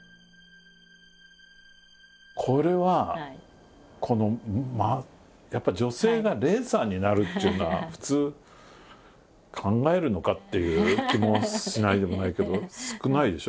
これはこのやっぱ女性がレーサーになるっちゅうのは普通考えるのかっていう気もしないでもないけど少ないでしょ？